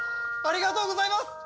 ありがとうございます！